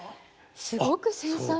すごく繊細な。